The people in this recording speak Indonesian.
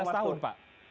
lima belas tahun pak